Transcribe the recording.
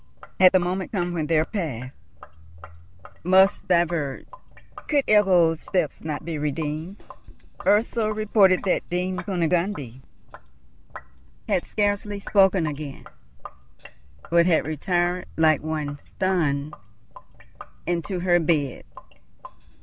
had the moment come when their paths must diverge? Could Ebbo's step not be redeemed? Ursel reported that Dame Kunigunde had scarcely spoken again, but had retired, like one stunned, into her bed.